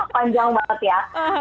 panjang banget ya